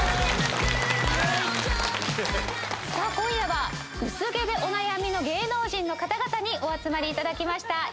さあ今夜は薄毛でお悩みの芸能人の方々にお集まりいただきました。